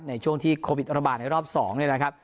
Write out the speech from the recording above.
ในช่วงที่โควิดอันตรบาลในรอบสอง